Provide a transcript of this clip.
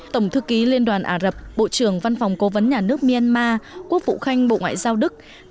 tổng thư ký liên đoàn ả rập bộ trưởng văn phòng cố vấn nhà nước myanmar quốc vụ khanh bộ ngoại giao đức